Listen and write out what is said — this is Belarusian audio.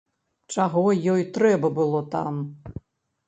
Чаго ёй трэба было там?